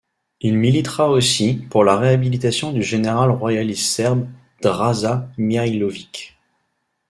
Il militera aussi pour la réhabilitation du général royaliste serbe Draža Mihailović.